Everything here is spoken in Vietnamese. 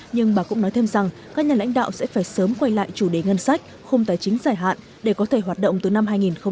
nhưng bà cũng nói thêm rằng các nhà lãnh đạo sẽ phải sớm quay lại chủ đề ngân sách không tài chính giải hạn để có thể hoạt động từ năm hai nghìn hai mươi một